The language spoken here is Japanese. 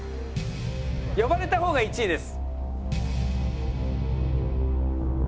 呼ばれた方が１位です。